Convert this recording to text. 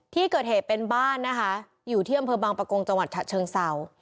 ที่เกิดเหตุเป็นบ้านนะคะอยู่ที่อำเภอบางปะโกงจเชิงเซา